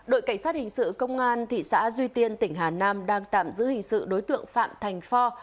đội cảnh sát hình sự công an thị xã duy tiên tỉnh hà nam đang tạm giữ hình sự đối tượng phạm thành phò